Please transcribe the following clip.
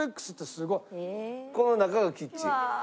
この中がキッチン。